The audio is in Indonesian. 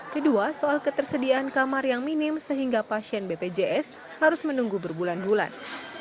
kedua soal ketersediaan kamar yang minim sehingga pasien bpjs harus menunggu berbulan bulan